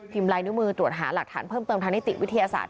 ลายนิ้วมือตรวจหาหลักฐานเพิ่มเติมทางนิติวิทยาศาสต